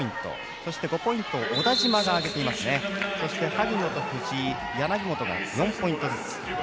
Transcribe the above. そして萩野と藤井、柳本が４ポイントずつ。